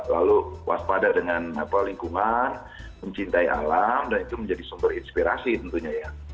lalu waspada dengan lingkungan mencintai alam dan itu menjadi sumber inspirasi tentunya ya